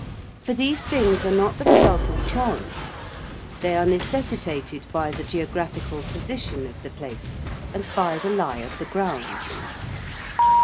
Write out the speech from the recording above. For these things are not the result of chance, they are necessitated by the geographical position of the place, and by the lie of the ground.